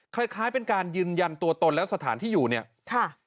คล้ายคล้ายเป็นการยืนยันตัวตนและสถานที่อยู่เนี่ยค่ะ